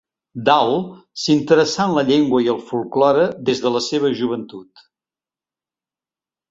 Dal s'interessà en la llengua i el folklore des de la seva joventut.